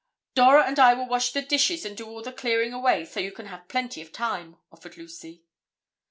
"Dora and I will wash the dishes and do all the clearing away, so you can have plenty of time," offered Lucy.